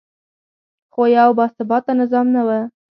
خو یو باثباته نظام نه و